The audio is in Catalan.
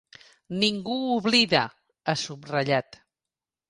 “Ningú oblida!”, ha subratllat.